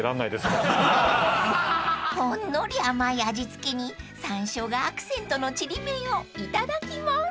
［ほんのり甘い味付けにさんしょがアクセントのちりめんをいただきます］